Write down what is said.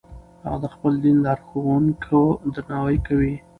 هغه د خپل دین لارښوونکو درناوی کوي.